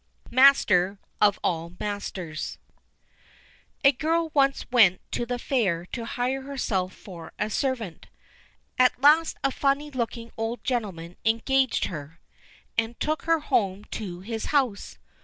Master of All Masters A girl once went to the fair to hire herself for a servant. At last a funny looking old gentleman engaged her, and took her home to his house.